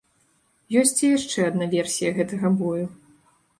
Ёсць і яшчэ адна версія гэтага бою.